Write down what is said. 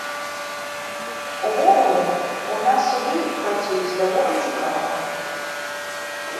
Увогуле ў нас суды працуюць даволі цікава.